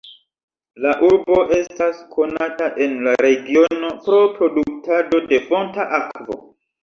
La urbo estas konata en la regiono pro produktado de fonta akvo.